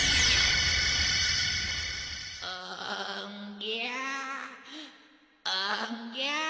おんぎゃあおんぎゃあ。